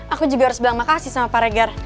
aku juga harus bilang makasih sama paregar